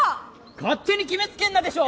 勝手に決めつけんなでしょ！